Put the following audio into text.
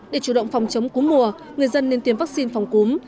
để chủ động phòng chống cúm mùa người dân nên tiêm vaccine phòng cúm